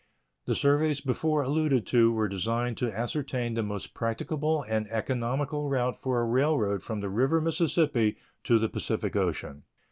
The surveys before alluded to were designed to ascertain the most practicable and economical route for a railroad from the river Mississippi to the Pacific Ocean.